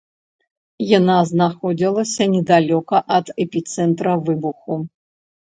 Яна знаходзілася недалёка ад эпіцэнтра выбуху.